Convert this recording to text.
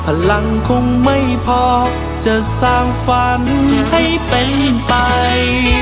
พระเจ้านั้นคงไม่พอจะสร้างฝันให้เป็นไป